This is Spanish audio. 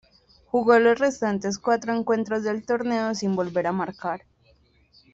Jugó los restantes cuatro encuentros del torneo, sin volver a marcar.